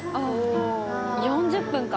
４０分か。